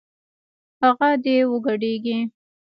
هغه دې وګډېږي